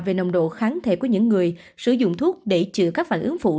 về nồng độ kháng thể của những người sử dụng thuốc để chữa các phản ứng phụ